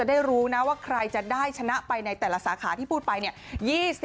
ได้รู้นะว่าใครจะได้ชนะไปในแต่ละสาขาที่พูดไปเนี่ย